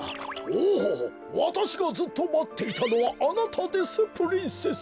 おおわたしがずっとまっていたのはあなたですプリンセス。